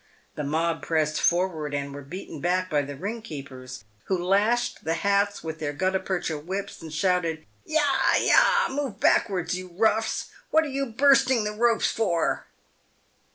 The mob pressed forward and were beaten back by the ring keepers, who lashed the hats with their gutta percha whips, and shouted, " Yah ! yah ! move back'ards, you roughs ! what are you bursting the ropes for